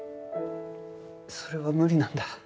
それは無理なんだ。